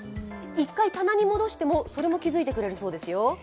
１回棚に戻しても、それも気づいてくれるそうですよ。